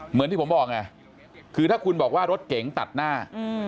เหมือนที่ผมบอกไงคือถ้าคุณบอกว่ารถเก๋งตัดหน้า